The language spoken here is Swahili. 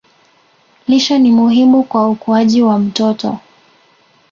Lishe ni muhimu kwa ukuaji wa mtoto